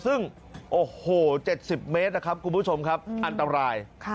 ซึ่ง๗๐เมตรครับคุณผู้ชมครับอันตราย